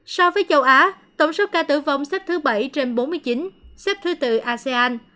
so với châu á tổng số ca tử vong xếp thứ bảy trên bốn mươi chín xếp thứ từ asean